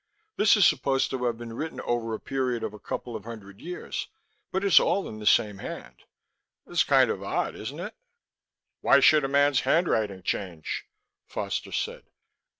"This is supposed to have been written over a period of a couple of hundred years, but it's all in the same hand. That's kind of odd, isn't it?" "Why should a man's handwriting change?" Foster said.